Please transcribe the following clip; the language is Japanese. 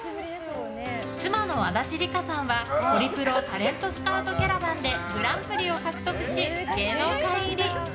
妻の足立梨花さんは、ホリプロタレントスカウトキャラバンでグランプリを獲得し、芸能界入り。